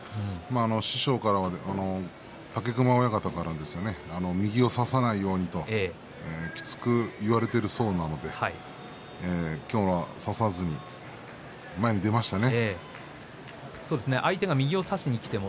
師匠の武隈親方からは右を差さないようにと言われているそうなので今日は差さずに前に出ましたね。